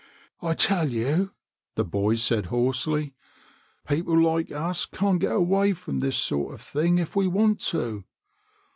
" I tell you," the boy said hoarsely, " people like us can't get away from this sort of thing if we want to.